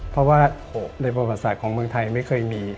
เพราะว่าในประวัติศาสตร์ของเมืองไทยไม่เคยมี